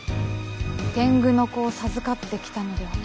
「天狗の子を授かってきたのでは」と。